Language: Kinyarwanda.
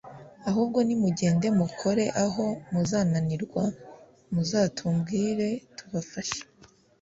ahubwo nimugende mukore aho muzananirwa muzatubwire tubafashe